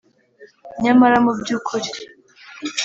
Nyamara mu by ukuri